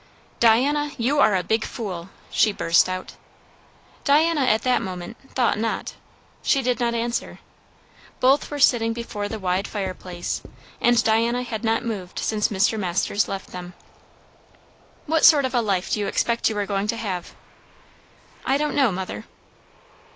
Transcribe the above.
"Diana, you are a big fool!" she burst out. Diana at that moment thought not. She did not answer. Both were sitting before the wide fireplace, and Diana had not moved since Mr. Masters left them. "What sort of a life do you expect you are going to have?" "I don't know, mother."